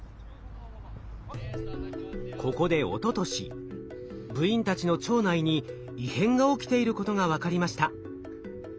ここでおととし部員たちの腸内に異変が起きていることが分かりました。